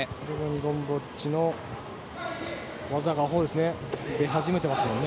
ゴムボッチの技が出始めてますよね。